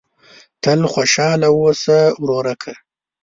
تل خوشاله اوسه ورورکه !